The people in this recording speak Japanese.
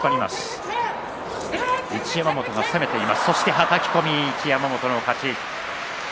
はたき込み、一山本の勝ち。